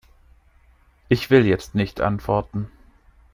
Ich will jetzt nicht antworten.